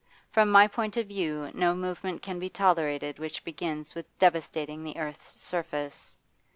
From my point of view no movement can be tolerated which begins with devastating the earth's surface.